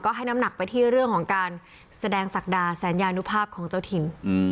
ให้น้ำหนักไปที่เรื่องของการแสดงศักดาแสนยานุภาพของเจ้าถิ่น